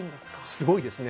すごいですね。